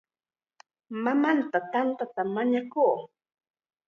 Mamanta tantata mañakun.